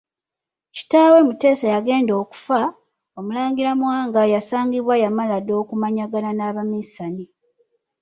Kitaawe Mutesa yagenda okufa, Omulangira Mwanga yasangibwa yamala dda okumanyagana n'Abamisani.